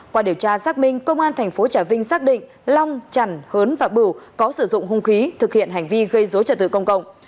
qua điều tra xác minh công an tp trà vinh xác định long trần hớn và bửu có sử dụng hung khí thực hiện hành vi gây dối trả tự công cộng